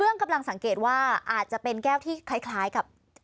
กำลังสังเกตว่าอาจจะเป็นแก้วที่คล้ายกับ